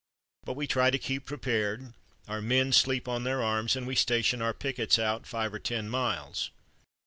But we try to keep prepared, our men sleep on their arms, and we station our pickets out five or ten miles."